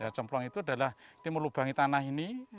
ya cemplong itu adalah kita melubangi tanah ini